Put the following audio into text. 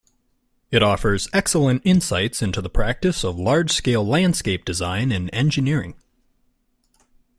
It offers excellent insights into the practice of large-scale landscape design and engineering.